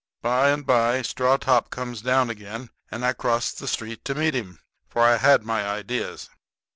By and by Straw top comes down again, and I crossed the street to meet him, for I had my ideas.